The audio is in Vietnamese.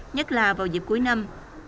nhất là vào dịp cuối năm